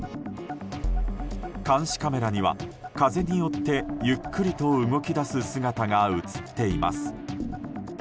監視カメラには風によってゆっくりと動き出す姿が映っています。